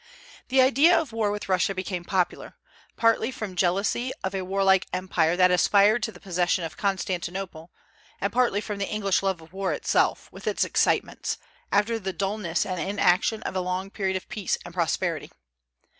The idea of war with Russia became popular, partly from jealousy of a warlike empire that aspired to the possession of Constantinople, and partly from the English love of war itself, with its excitements, after the dulness and inaction of a long period of peace and prosperity.